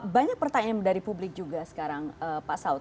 banyak pertanyaan dari publik juga sekarang pak saud